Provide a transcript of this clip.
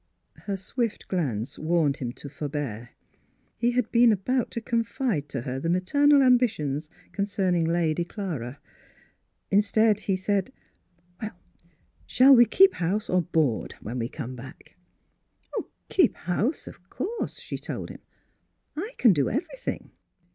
Her swift glance warned him to for bear. He had been about to confide to Miss Philura's Wedding Gown her the maternal ambitions concerning Lady Clara. Instead he said, " Shall we keep house or board when we come back? "" Keep house, of course," she told him. " I can do everything."